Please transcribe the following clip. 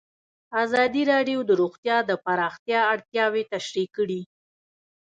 ازادي راډیو د روغتیا د پراختیا اړتیاوې تشریح کړي.